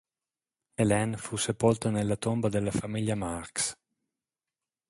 Helene fu sepolta nella tomba della famiglia Marx.